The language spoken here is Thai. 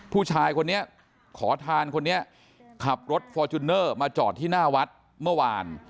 ผู้ชายคนนี้ขอทานคนนี้ขับรถฟอร์จูเนอร์มาจอดที่หน้าวัดเมื่อวาน